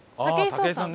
武井壮さん。